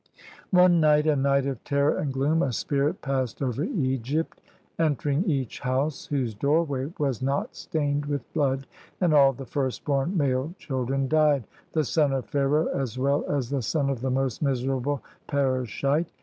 One night, a night of terror and gloom, a spirit passed over Egypt, entering each house whose doorway was not stained with blood, and all the first born male children died, the son of Pharaoh as well as the son of the most miserable parischite.